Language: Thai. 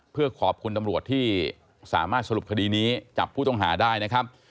เพื่อขอบคุณตำรวจที่สามารถสรุปคดีนี้จับผู้ต้องหาได้นะครับ